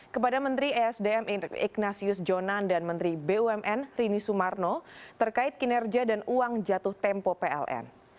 kepada menteri esdm ignatius jonan dan menteri bumn rini sumarno terkait kinerja dan uang jatuh tempo pln